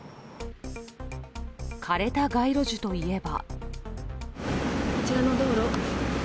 枯れた街路樹といえば。